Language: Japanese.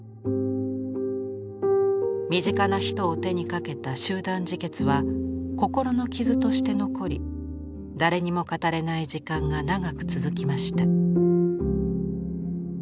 身近な人を手にかけた集団自決は心の傷として残り誰にも語れない時間が長く続きました。